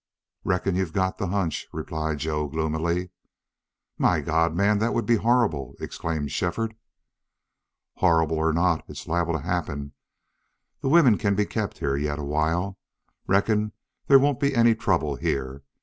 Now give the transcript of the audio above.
"Reckon you've got the hunch," replied Joe, gloomily. "My God! man, that would be horrible!" exclaimed Shefford. "Horrible or not, it's liable to happen. The women can be kept here yet awhile. Reckon there won't be any trouble here.